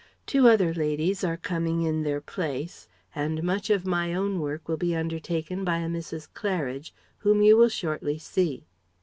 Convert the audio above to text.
Two other ladies are coming in their place, and much of my own work will be undertaken by a Mrs. Claridge, whom you will shortly see.